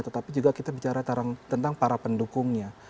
tetapi juga kita bicara tentang para pendukungnya